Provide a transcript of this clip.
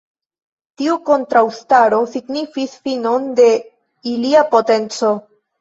Tiu kontraŭstaro signifis finon de ilia potenco.